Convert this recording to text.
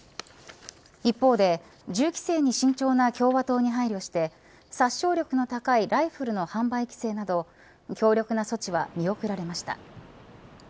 一方で銃規制に慎重な共和党に配慮して殺傷力の高いライフルの販売規制など強力な措置は見送られました。